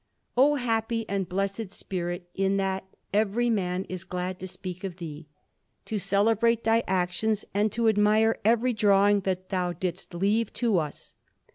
Canvas_)] O happy and blessed spirit, in that every man is glad to speak of thee, to celebrate thy actions, and to admire every drawing that thou didst leave to us!